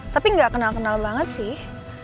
tapi nggak kenal kenal banget sih